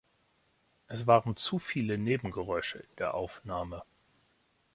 Es waren zu viele Nebengeräusche in der Aufnahme.